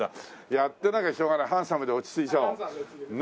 やってなきゃしょうがないはんさむで落ち着いちゃおう。